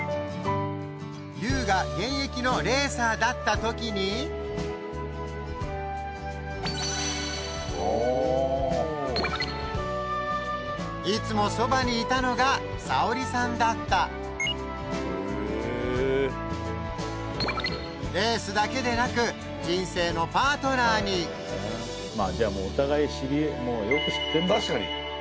ＹＯＵが現役のレーサーだったときにいつもそばにいたのが彩織さんだったレースだけでなく人生のパートナーにまぁじゃあもうお互いよく知ってんだ。